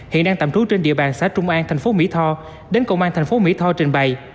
hiện đang tạm trú trên địa bàn xã trung an thành phố mỹ tho đến công an thành phố mỹ tho trình bày